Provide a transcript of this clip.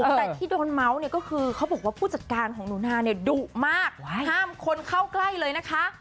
แต่ที่โดนเมาส์เนี่ยก็คือเขาบอกว่าผู้จัดการของหนูนาเนี่ยดุมากห้ามคนเข้าใกล้เลยนะคะ